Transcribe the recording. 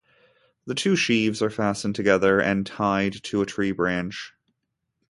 The two sheaves are fastened together and tied to a tree branch.